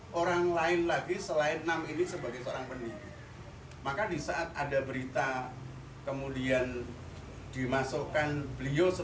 pondok pesantren al mu'min nguruki